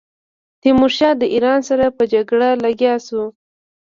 تیمورشاه د ایران سره په جګړه لګیا شو.